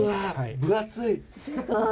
分厚い！